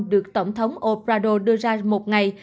được tổng thống obrador đưa ra một ngày